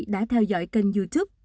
đã theo dõi kênh youtube